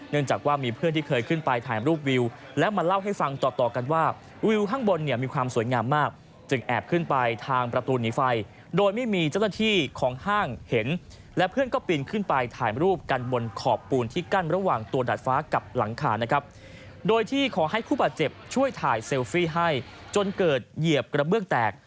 จากว่ามีเพื่อนที่เคยขึ้นไปถ่ายรูปวิวและมาเล่าให้ฟังต่อต่อกันว่าวิวข้างบนเนี่ยมีความสวยงามมากจึงแอบขึ้นไปทางประตูหนีไฟโดยไม่มีเจ้าหน้าที่ของห้างเห็นและเพื่อนก็ปีนขึ้นไปถ่ายรูปกันบนขอบปูนที่กั้นระหว่างตัวดาดฟ้ากับหลังคานะครับโดยที่ขอให้ผู้บาดเจ็บช่วยถ่ายเซลฟี่ให้จนเกิดเหยียบกระเบื้องแตก